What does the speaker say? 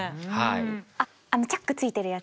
あのチャック付いてるやつ。